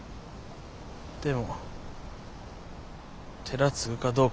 でも寺継ぐかどうかはまだ。